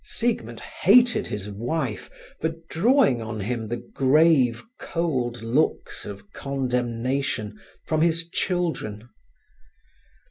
Siegmund hated his wife for drawing on him the grave, cold looks of condemnation from his children.